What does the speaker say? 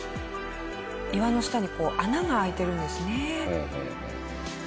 岩の下にこう穴が開いてるんですね。